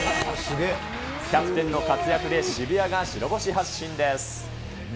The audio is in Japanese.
キャプテンの活躍で渋谷が白星発進です。